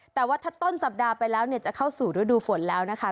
แต่ว่าถ้าต้นสัปดาห์ไปแล้วเนี่ยจะเข้าสู่ฤดูฝนแล้วนะคะ